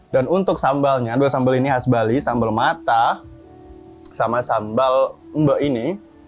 dan untuk sambalnya dua sambal ini khas bali sambal mata sama sambal mba ini